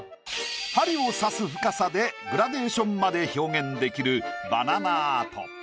針を刺す深さでグラデーションまで表現できるバナナアート。